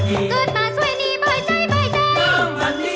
ตอนต่อไป